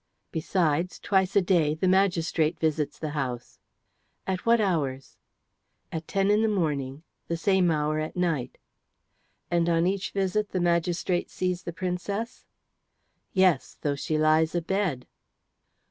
Besides, twice a day the magistrate visits the house." "At what hours?" "At ten in the morning. The same hour at night." "And on each visit the magistrate sees the Princess?" "Yes, though she lies abed."